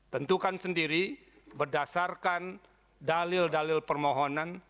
tentukan sendiri berdasarkan dalil dalil permohonan